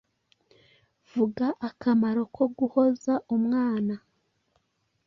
Vuga akamaro ko guhoza umwana.